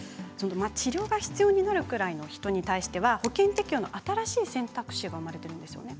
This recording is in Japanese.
治療が必要になるくらいの人に対しては、保険適用の新しい選択肢が生まれたんですね。